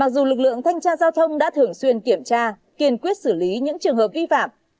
đội thanh tra giao thông đã thường xuyên kiểm tra kiên quyết xử lý những trường hợp vi phạm